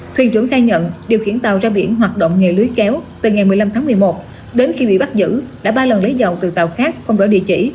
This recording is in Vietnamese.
thuyền trưởng khai nhận điều khiển tàu ra biển hoạt động nghề lưới kéo từ ngày một mươi năm tháng một mươi một đến khi bị bắt giữ đã ba lần lấy dòng từ tàu khác không rõ địa chỉ